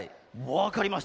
わかりました。